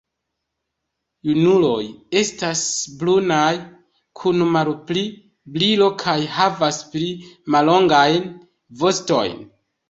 Junuloj estas brunaj kun malpli brilo kaj havas pli mallongajn vostojn.